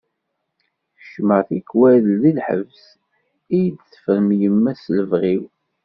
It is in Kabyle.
Keččmeɣ tikwal deg lḥebs iyi-d-tefren yemma s lebɣi-w.